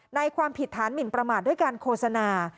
ความผิดฐานหมินประมาทด้วยการโฆษณา